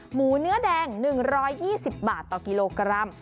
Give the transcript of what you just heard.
หมูเนื้อแดง๑๒๐บาทต่อกิโลกรัม